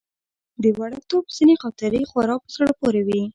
د وړکتوب ځينې خاطرې خورا په زړه پورې وي.